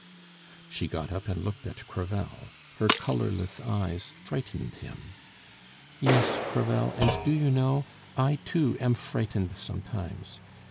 She got up and looked at Crevel; her colorless eyes frightened him. "Yes, Crevel, and, do you know? I, too, am frightened sometimes.